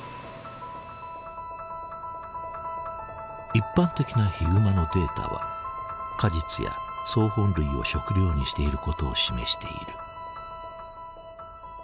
一般的なヒグマのデータは果実や草本類を食料にしていることを示している。